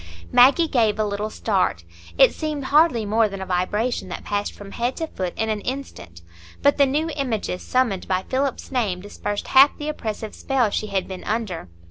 Maggie gave a little start,—it seemed hardly more than a vibration that passed from head to foot in an instant. But the new images summoned by Philip's name dispersed half the oppressive spell she had been under.